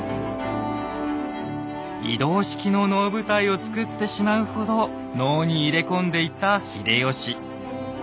移動式の能舞台をつくってしまうほど能に入れ込んでいた秀吉。